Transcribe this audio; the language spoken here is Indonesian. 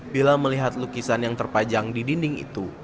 bila melihat lukisan yang terpajang di dinding itu